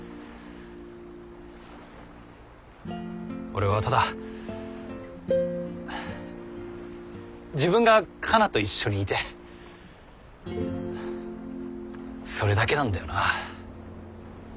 俺はただ自分がカナと一緒にいてえそれだけなんだよな。